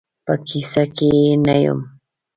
په کیسه کې یې نه یم.